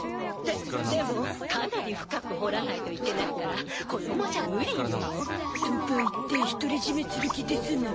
ででもかなり深く掘らないといけないから子供じゃ無理よ。とかいって独り占めする気ですな？